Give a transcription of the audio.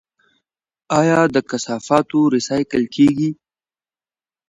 آیا د کثافاتو ریسایکل کیږي؟